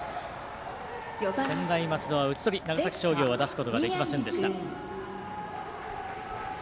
専大松戸は打ち取り長崎商業は出すことができませんでした。